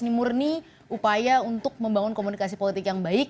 ini murni upaya untuk membangun komunikasi politik yang baik